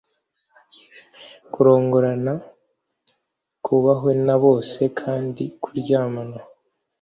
Kurongorana kubahwe na bose kandi kuryamana